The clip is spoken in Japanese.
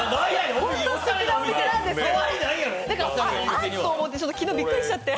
本当にすてきなお店なんですけどあっ！と思って昨日びっくりしちゃって。